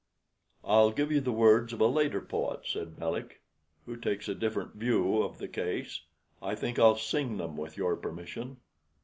'" "I'll give you the words of a later poet," said Melick, "who takes a different view of the case. I think I'll sing them, with your permission."